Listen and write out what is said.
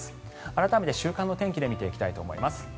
改めて週間の天気を見ていきたいと思います。